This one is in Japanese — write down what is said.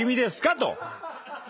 と。